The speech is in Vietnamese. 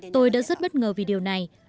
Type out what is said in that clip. tôi đã rất bất ngờ vì điều này